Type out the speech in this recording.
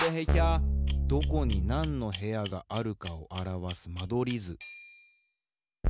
どこになんの部屋があるかをあらわす間取り図。